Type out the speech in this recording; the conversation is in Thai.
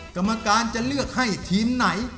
กรรมการจะเลือกให้ทีมไหน